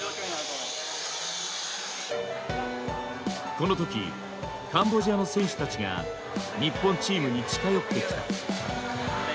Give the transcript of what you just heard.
この時カンボジアの選手たちが日本チームに近寄ってきた。